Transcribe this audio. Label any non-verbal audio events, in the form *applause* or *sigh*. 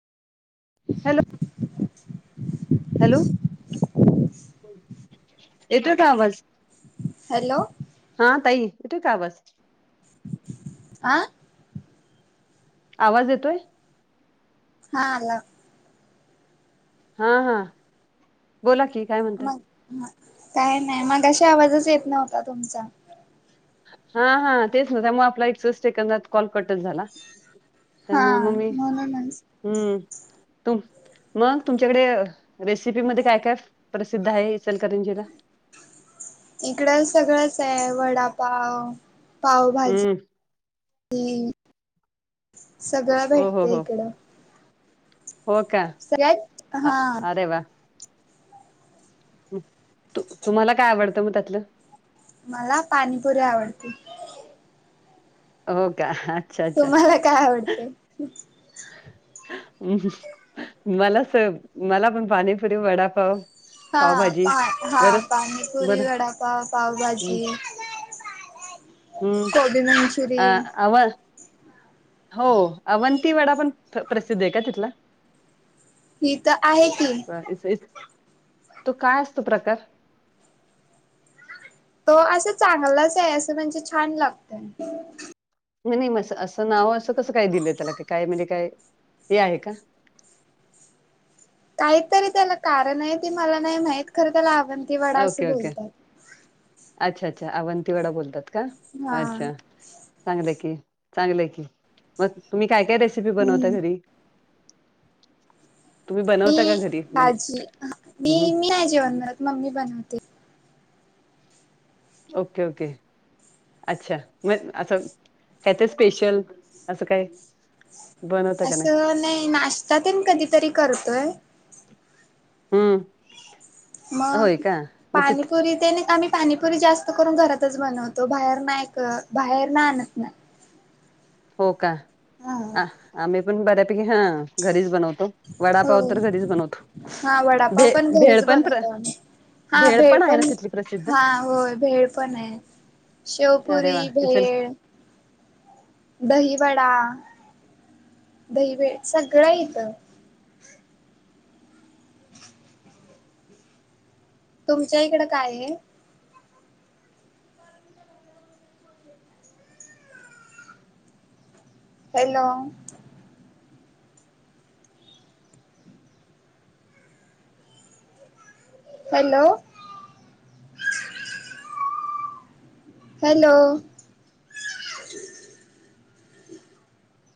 Hello hello. येतो कां आवाज? हॅलो. हा ताई इतोय का आवाज? आ. आवाज येतोय? हा आल. हा हा बोला की काय म्हणताय? मग काय नाही मगाशी आवाजच येत नव्हता तुमचा. हां हां तेचं व्ह त्यामुळं आपला एकचं सेकंदात कॉल कट झाला. हा त्यामूळ मंग मीच म्हणूनच हम्मं तुम मगं तुमच्याकडे रेसिपी मध्यें कायं कायं प्रसिद्ध आहे इचलकरंजीला? इकडं सगळंच आहे वडापाव, पावभाजी हम्म *unintelligible* सगळा हो हो भेटतं हो इकडं. हो कां सगळ्यात अ हा अरे वाह. तुम्हांला काय आवडतं मगं त्यातलं? मला पाणीपुरी आवडते. हो कां? तुम्हांला कायं आवडते? मला स मला पणं पाणीपुरी, वडापाव. हा पावभाजी पा हा बरच पाणीपुरी बरं वडापाव, पावभाजी हम्मं कोबी मंचुरी अ आव हो अवंती वडा पण प्रसिद्ध आहे का तिथला? ती इथं आहे की. आ इस इस तो कायं असतो प्रकार? तो असं चांगलाच आहे असं म्हणजे छान लागतंय. मने म असं असं नावं असं कसं काय दिलेय त्याला क काय म्हणजे काय हे आहे का? काही तरी त्याला कारण आहे ते मला नाही माहीत खरं त्याला आवंती वडा असं ओके ओके बोलतात. अच्छा अच्छा अवंतीवडा बोलतात का हा अच्छा. चांगलंय की चांगलंय की मगं तुम्हीं काय काय रेसिपी पी बनवताय हम्म घरी. तुम्ही मी बनवता का घरी म्हणजे नाजी मी हं, मी नाय जेवणं बनवत मम्मी बनवते. Okay okay. अच्छा मगं असं कायतरी स्पेशल असं कायं? असं नाही नाश्ता तेन कधीतरी करतोयं. हम्मं. मग पाणीपुरी त्यानी आम्ही पाणीपुरी जास्त करून घरातच बनवतो बाहेर नाय क बाहेरना आणत नाय. हो का हा आहं आम्ही पण बऱ्यापैकी हां घरीच बनवतो. वडापाव हो तरं घरीचं बनवतो, हा भे भेळ पण प्र हां भेळ आहे पण ना तिथली प्रसिद्ध हा होय भेळ पण आहे. अरे शेवपुरी, वा इचल भेळ, दहीवडा दही भेळ सगळं येतं. तुमच्यां इकडं काय हाय? हॅलो. Hello hello